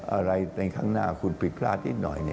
อะไรในข้างหน้าคุณผิดพลาดนิดหน่อย